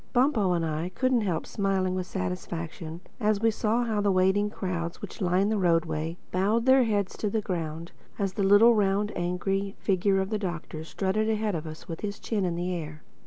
Bumpo and I couldn't help smiling with satisfaction as we saw how the waiting crowds which lined the roadway bowed their heads to the ground, as the little, round, angry figure of the Doctor strutted ahead of us with his chin in the air.